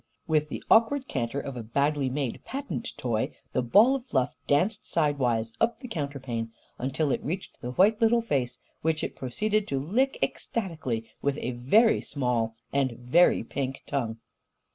With the awkward canter of a badly made patent toy, the ball of fluff danced sidewise up the counterpane until it reached the white little face, which it proceeded to lick ecstatically with a very small and very pink tongue.